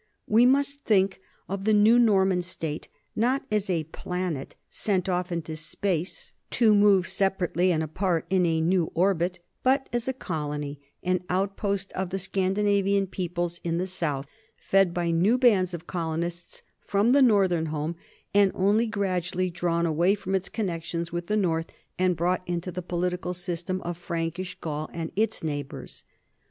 We must think of the new Norman state, not as a planet sent off into space to move sepa rate and apart in a new orbit, but as a colony, an out post of the Scandinavian peoples in the south, fed by new bands of colonists from the northern home and only gradually drawn away from its connections with the north and brought into the political system of THE COMING OF THE NORTHMEN 45 Prankish Gaul and its neighbors.